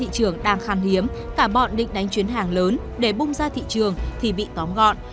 thị trường đang khan hiếm cả bọn định đánh chuyến hàng lớn để bung ra thị trường thì bị tóm gọn